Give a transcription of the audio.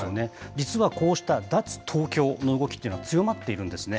実はこうした脱東京の動きというのは、強まっているんですね。